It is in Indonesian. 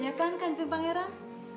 ya kan kan jeng pangeran